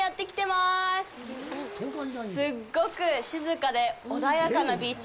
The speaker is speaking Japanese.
すっごく静かで穏やかなビーチ。